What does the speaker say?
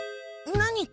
何か？